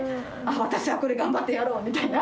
私はこれ頑張ってやろう！みたいな。